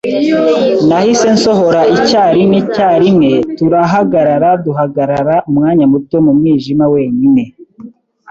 Nahise nsohora icyarimwe icyarimwe, turahagarara duhagarara umwanya muto mu mwijima, wenyine